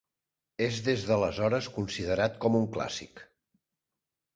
És des d'aleshores considerat com un clàssic.